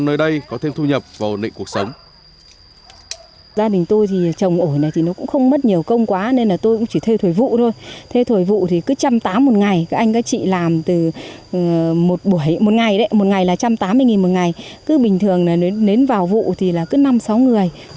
nơi đây có thêm thu nhập và ổn định cuộc sống